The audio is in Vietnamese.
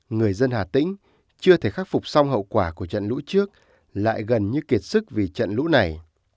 người dân hà tĩnh chưa thể khắc phục xong hậu quả của trận lũ trước lại gần như kiệt sức vì trận lũ này